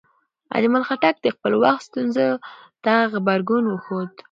اجمل خټک د خپل وخت ستونزو ته غبرګون وښود.